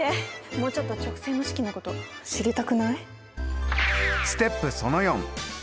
もうちょっと直線の式のこと知りたくない？